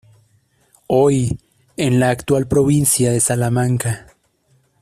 Hoy, en la actual provincia de Salamanca.